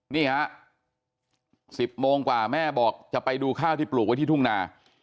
นี่ฮะ๑๐โมงกว่าแม่บอกจะไปดูข้าวที่ปลูกไว้ที่ทุ่งนา